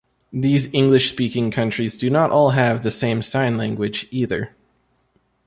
These English-speaking countries do not all have the same sign language either.